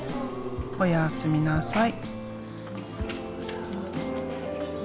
おやすみなさい。